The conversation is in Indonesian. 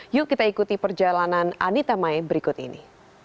yuk kita ikuti perjalanan anita mai berikut ini